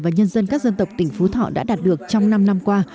và nhân dân các dân tộc tỉnh phú thọ đã đạt được trong năm năm qua